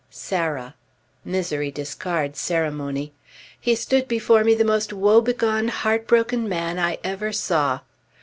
"Sarah!" (Misery discards ceremony.) He stood before me the most woebegone, heartbroken man I ever saw.